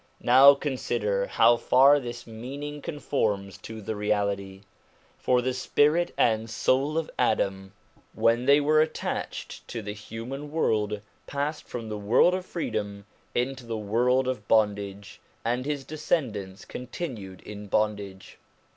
Now consider how far this meaning conforms to the reality. For the spirit and the soul of Adam, when 1 Baha'ullah. 142 SOME ANSWERED QUESTIONS they were attached to the human world, passed from the world of freedom into the world of bondage, and his descendants continued in bondage.